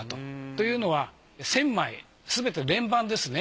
というのは１，０００枚すべて連番ですね。